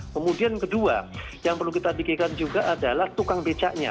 kemudian kedua yang perlu kita pikirkan juga adalah tukang becaknya